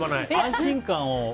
安心感を。